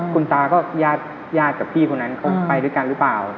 คุณตาก็ญาติกับพี่คนนั้นเขาไปด้วยกันหรือเปล่า